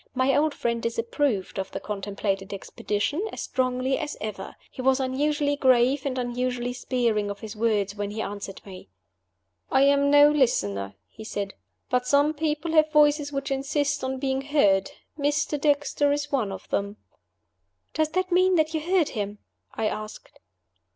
My old friend disapproved of the contemplated expedition as strongly as ever. He was unusually grave and unusually sparing of his words when he answered me. "I am no listener," he said. "But some people have voices which insist on being heard. Mr. Dexter is one of them." "Does that mean that you heard him?" I asked.